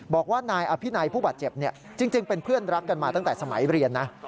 บอกว่านายอภินัยผู้บาดเจ็บจริงเป็นเพื่อนรักกันมาตั้งแต่สมัยเรียนนะ